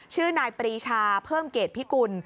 ชื่อนายปรีชาเพิ่มเกรดพิกุล